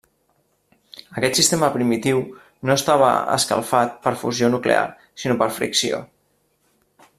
Aquest sistema primitiu no estava escalfat per fusió nuclear sinó per fricció.